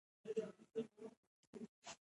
افغانستان د خپلو بادامو له مخې په نړۍ کې پېژندل کېږي.